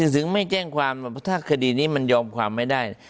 ถึงไม่แจ้งความถ้าคดีนี้มันยอมความไม่ได้